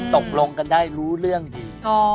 ตกลงกันได้รู้เรื่องดี